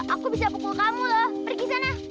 aku bisa kumpul kamu loh pergi sana